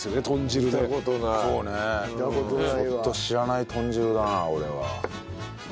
ちょっと知らない豚汁だな俺は。